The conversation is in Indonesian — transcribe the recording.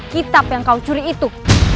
kitab yang kau curi itu